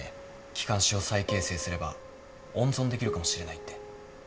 気管支を再形成すれば温存できるかもしれないって。